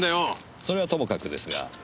それはともかくですが。